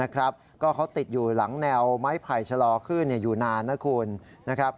ก็เขาติดอยู่หลังแนวไม้ไผ่ชะลอขึ้นอยู่นานนะคุณนะครับ